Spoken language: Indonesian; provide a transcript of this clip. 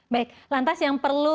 baik lantas yang perlu